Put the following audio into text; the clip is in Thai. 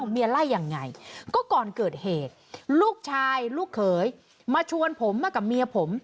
เมียไล่ยังไงก็ก่อนเกิดเหตุลูกชายลูกเขยมาชวนผมมากับเมียผม